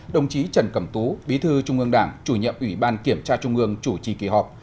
đồng chí trần cẩm tú bí thư trung ương đảng chủ nhiệm ủy ban kiểm tra trung ương chủ trì kỳ họp